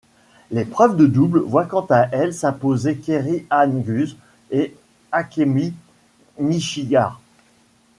L'épreuve de double voit quant à elle s'imposer Kerry-Anne Guse et Akemi Nishiya.